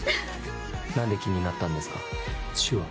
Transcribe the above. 何で気になったんですか、手話。